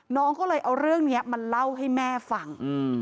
น้องก็เลยเอาเรื่องนี้มาเล่าให้แม่ฟัง